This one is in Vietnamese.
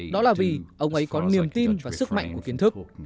đó là vì ông ấy có niềm tin và sức mạnh của kiến thức